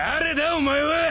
お前は！